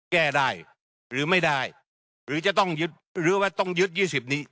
แก้ได้หรือไม่ได้หรือจะต้องยึดหรือว่าต้องยึด๒๐นี้